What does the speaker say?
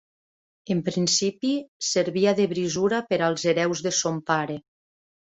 En principi, servia de brisura per als hereus de son pare.